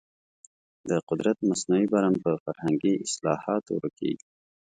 د قدرت مصنوعي برم په فرهنګي اصلاحاتو ورکېږي.